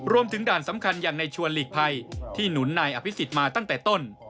ด่านสำคัญอย่างในชวนหลีกภัยที่หนุนนายอภิษฎมาตั้งแต่ต้น